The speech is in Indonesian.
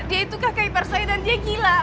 dia itu kakak ipar saya dan dia gila